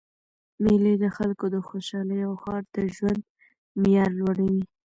میلې د خلکو د خوشحالۍ او ښار د ژوند معیار لوړوي.